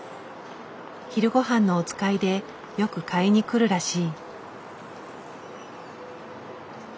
昼ごはんのお使いでよく買いに来るらしい。